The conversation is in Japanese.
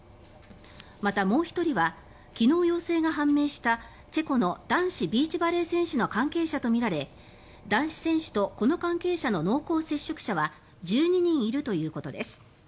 また、もう１人は昨日陽性が判明したチェコの男子ビーチバレー選手の関係者とみられ男子選手とこの関係者の濃厚接触者は１２人いるということです。